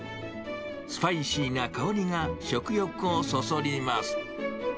スパイシーな香りが食欲をそそります。